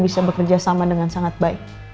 bisa bekerja sama dengan sangat baik